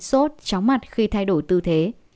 sốt chóng mặt khi thay đổi tư thế